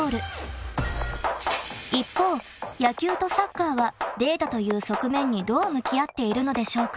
［一方野球とサッカーはデータという側面にどう向き合っているのでしょうか］